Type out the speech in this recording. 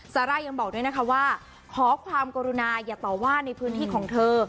ซาร่ายังบอกด้วยนะคะว่าขอความกรุณาอย่าต่อว่าในพื้นที่ของเธอ